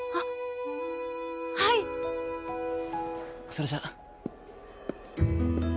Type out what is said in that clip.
それじゃあ。